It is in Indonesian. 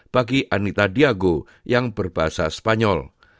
bagi anita diago yang berbahasa spanyol